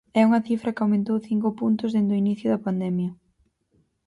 É unha cifra que aumentou cinco puntos dende o inicio da pandemia.